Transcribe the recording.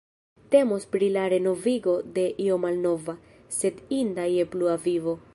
Temos pri la renovigo de io malnova, sed inda je plua vivo.